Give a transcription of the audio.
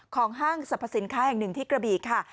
ห้างสรรพสินค้าแห่งหนึ่งที่กระบีค่ะ